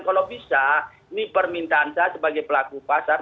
kalau bisa ini permintaan saya sebagai pelaku pasar